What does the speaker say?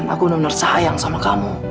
aku bener bener sayang sama kamu